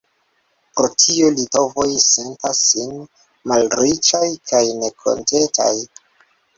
Pro tio litovoj sentas sin malriĉaj kaj nekontentaj.